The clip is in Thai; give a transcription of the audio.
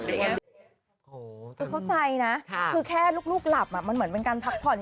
คือเข้าใจนะคือแค่ลูกหลับมันเหมือนเป็นการพักผ่อน